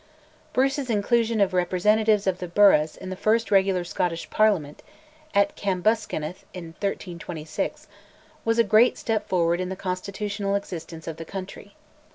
Bruce's inclusion of representatives of the Burghs in the first regular Scottish Parliament (at Cambuskenneth in 1326) was a great step forward in the constitutional existence of the country.